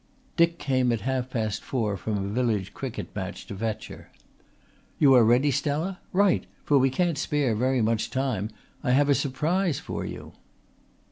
Dick came at half past four from a village cricket match to fetch her. "You are ready, Stella? Right! For we can't spare very much time. I have a surprise for you."